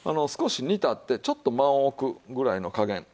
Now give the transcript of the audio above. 少し煮立ってちょっと間を置くぐらいの加減。